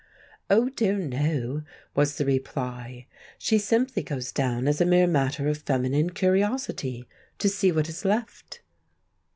"Oh, dear, no!" was the reply. "She simply goes down, as a mere matter of feminine curiosity, to see what is left."